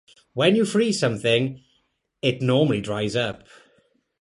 When you freeze something, it normally dries up.